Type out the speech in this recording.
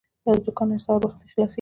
دا دوکان هر سهار وختي خلاصیږي.